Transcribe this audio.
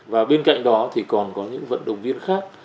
và bên cạnh đó thì còn có những vận động viên khác